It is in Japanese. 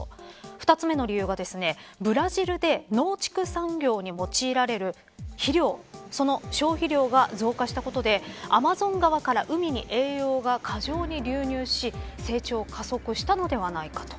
２つ目の理由はブラジルで農畜産業に用いられる肥料その消費量が増加したことでアマゾン川から海に栄養が過剰に流入し成長を加速したのではないかと。